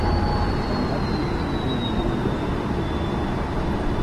Seine Abschlussprüfung bestand er nicht.